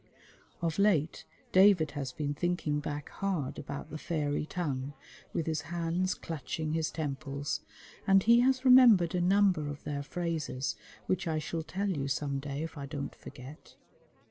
Of late David has been thinking back hard about the fairy tongue, with his hands clutching his temples, and he has remembered a number of their phrases which I shall tell you some day if I don't forget.